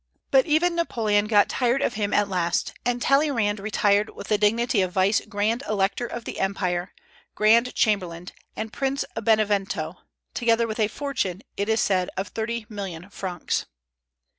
But even Napoleon got tired of him at last, and Talleyrand retired with the dignity of vice grand elector of the empire, grand chamberlain, and Prince of Benevento, together with a fortune, it is said, of thirty million francs.